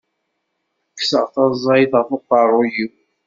Kkseɣ taẓayt ɣef uqerru-w.